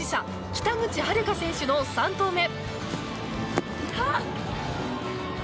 北口榛花選手の３投目。